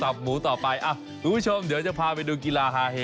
นี่ก็สับหมูต่อไปทุกผู้ชมเดี๋ยวเราจะพาไปดูกีฬาฮาเฮน